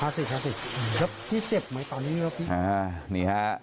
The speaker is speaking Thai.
แล้วพี่เจ็บไหมตอนนี้